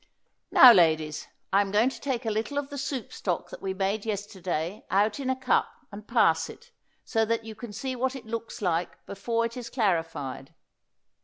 Now, ladies, I am going to take a little of the soup stock that we made yesterday out in a cup and pass it, so you can see what it looks like before it is clarified.